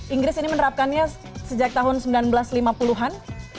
inggris ini menerapkannya sejak tahun seribu sembilan ratus lima puluh an